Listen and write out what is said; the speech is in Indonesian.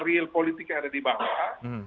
real politik yang ada di bawah